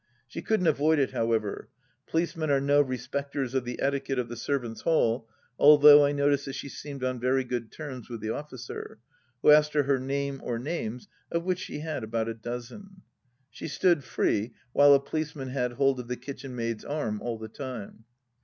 She couldn't avoid it, however ; policemen are no respecters of the etiquette of the servants' hall, al though I noticed that she seemed on very good terms with the officer, who asked her her name or names, of which she had about a dozen. She stood free, while a policeman had hold of the kitcheimiaid's arm all the time.